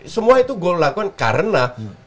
semua itu gue lakukan karena